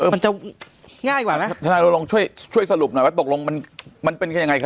มันจะง่ายกว่าไหมช่วยสรุปหน่อยว่าตกลงมันเป็นยังไง